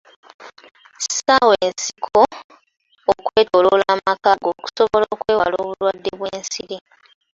Ssaawa ensiko okwetoloola amaka go okusobola okwewala obulwadde bw'ensiri.